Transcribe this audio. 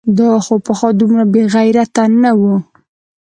دا خو پخوا دومره بېغیرته نه و؟!